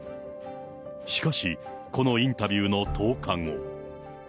しかし、このインタビューの１０日後。